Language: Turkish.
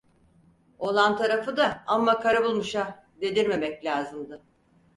Oğlan tarafı da amma karı bulmuş ha! dedirmemek lazımdı.